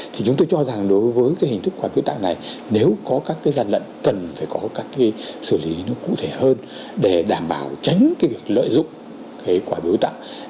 thì chúng tôi cho rằng đối với cái hình thức quản lý tặng này nếu có các cái gian lận cần phải có các cái xử lý nó cụ thể hơn để đảm bảo tránh cái việc lợi dụng cái quản lý tặng